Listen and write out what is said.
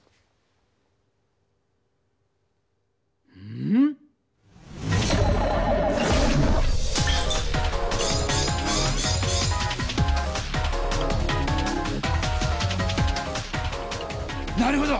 ん⁉なるほど！